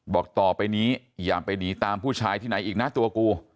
บอกต่อไปนี้อย่าไปหนีตามผู้ชายที่ไหนอีกนะตัวกู